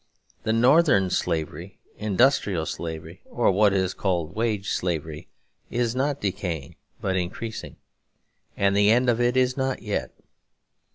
The Northern slavery, industrial slavery, or what is called wage slavery, is not decaying but increasing; and the end of it is not yet.